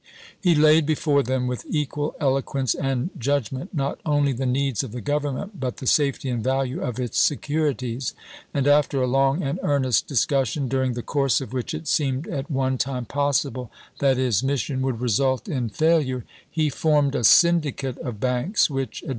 He laid before them, with equal eloquence and judgment, not only the needs of the Government, but the safety and value of its securities ; and after a long and earnest dis cussion, during the course of which it seemed at one time possible that his mission would result in FINANCIAL MEASUEES 229 failure, he formed a syndicate of banks which ad ch.